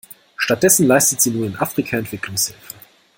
Stattdessen leistet sie nun in Afrika Entwicklungshilfe.